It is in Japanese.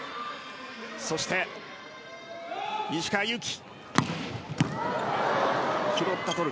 そして、石川祐希。